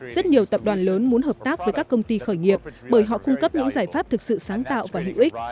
rất nhiều tập đoàn lớn muốn hợp tác với các công ty khởi nghiệp bởi họ cung cấp những giải pháp thực sự sáng tạo và hữu ích